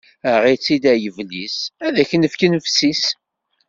Aɣ-itt-id a yiblis, ad ak-nefk nnefṣ-is!